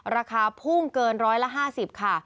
ราคาพุ่งเกินร้อยละ๕๐ค่ะ